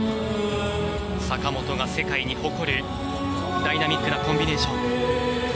坂本が世界に誇るダイナミックなコンビネーション。